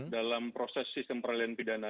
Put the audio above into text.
dalam proses sistem peralian pidana